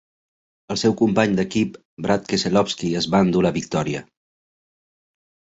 El seu company d'equip, Brad Keselowski, es va endur la victòria.